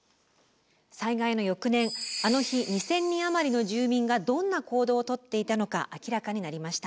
災害の翌年あの日２，０００人余りの住民がどんな行動をとっていたのか明らかになりました。